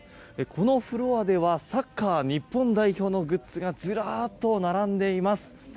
このフロアではサッカー日本代表のグッズがずらっと並んでいます。